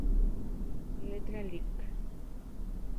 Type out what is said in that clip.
Letra: Lic.